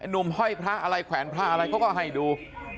หนุ่มห้อยพระอะไรแขวนพระอะไรเขาก็ให้ดู